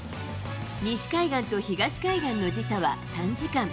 西海岸と東海岸の時差は３時間。